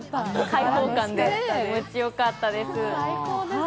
開放感で、気持ちよかったです。